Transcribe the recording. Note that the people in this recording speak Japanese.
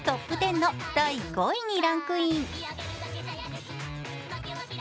ＴＯＰ１０の第５位にランクイン。